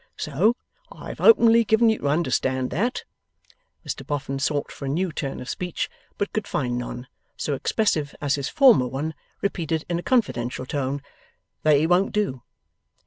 So, I have openly given you to understand that ' Mr Boffin sought for a new turn of speech, but could find none so expressive as his former one, repeated in a confidential tone, ' that it won't do.